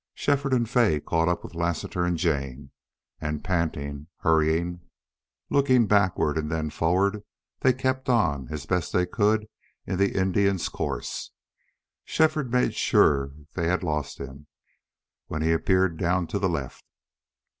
Shefford and Fay caught up with Lassiter and Jane, and, panting, hurrying, looking backward and then forward, they kept on, as best they could, in the Indian's course. Shefford made sure they had lost him, when he appeared down to the left.